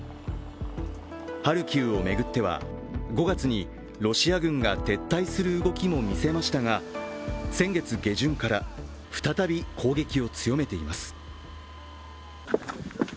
ハルキウを巡っては５月にロシア軍が撤退する動きも見せましたが先月下旬から再び攻撃を強めています。